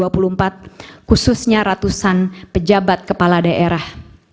pilpres dua ribu dua puluh empat khususnya ratusan pejabat kepala daerah